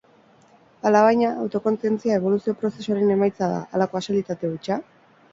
Alabaina, autokontzientzia eboluzio-prozesuaren emaitza da, ala kasualitate hutsa?